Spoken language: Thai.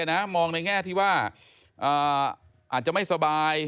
มองในแง่ที่ว่าอาจจะไม่สบาย